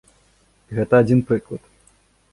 І гэта адзін прыклад.